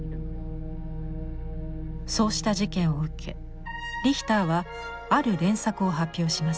そうした事件を受けリヒターはある連作を発表します。